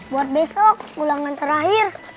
buat besok ulangan terakhir